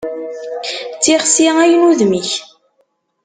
D tixsi ay n udem-ik.